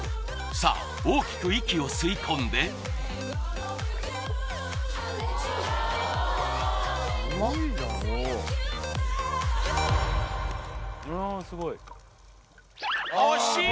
さあ大きく息を吸い込んで惜しい！